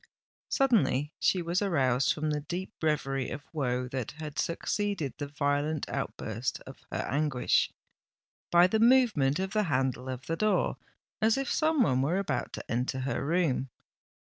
Suddenly she was aroused from the deep reverie of woe that had succeeded the violent outburst of her anguish, by the movement of the handle of the door, as if some one were about to enter her room.